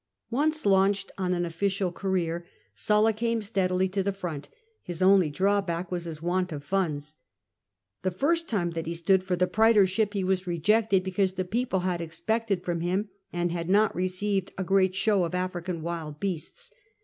Once launched on an ojBScial career, Sulla came steadily to the front ; his only drawback was his want of funds. The first time that he stood for the praetorship he was rejected, because the people had expected from him, and had not received, a great show of African wild beasts.